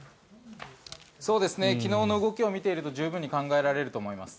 昨日の動きを見ていると十分に考えられると思います。